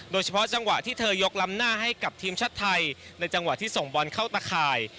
โดยเฉพาะจังหวะที่เธอยกล้ำหน้าให้กับทีมชาติไทยในจังหวะที่ส่งบอลเข้าตะข่าย